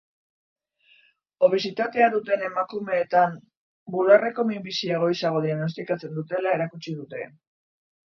Obesitatea duten emakumeetan bularreko minbizia goizago diagnostikatzen dutela erakutsi dute.